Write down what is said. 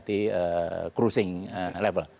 ketinggian yang mendekati cruising level